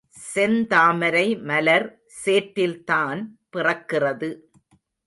செந்தாமரை மலர் சேற்றில்தான் பிறக்கிறது.